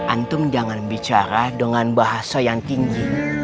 antum jangan bicara dengan bahasa yang tinggi